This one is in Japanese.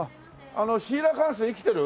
あのシーラカンス生きてる？